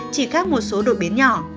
chỉ khác một số đội biến nhỏ